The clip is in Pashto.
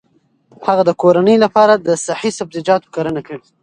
هغه د کورنۍ لپاره د صحي سبزیجاتو کرنه کوي.